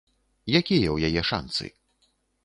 Якія ў яе шанцы?